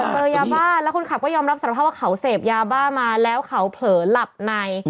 เจอยาบ้าแล้วคนขับก็ยอมรับสารภาพว่าเขาเสพยาบ้ามาแล้วเขาเผลอหลับใน